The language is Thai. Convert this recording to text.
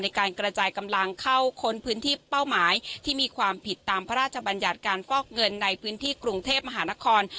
ในการกระจายกำลังเข้าค้นพื้นที่เป้าหมายที่มีความผิดตามพระราชบัญญัติการฟอกเงินในพื้นที่กรุงเทพมหานคร